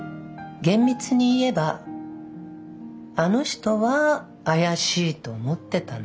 厳密に言えばあの人は怪しいと思ってたんだけど。